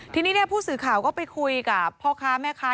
ทีนี้ผู้สื่อข่าวก็ไปคุยกับพ่อค้าแม่ค้า